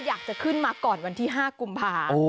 อยากจะขึ้นมาก่อนวันที่๕กุมภา